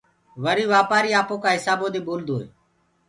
وري وآپآري آپوڪآ هسابو دي ٻولدوئي